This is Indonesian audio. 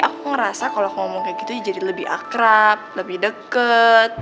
aku ngerasa kalau ngomong kayak gitu jadi lebih akrab lebih deket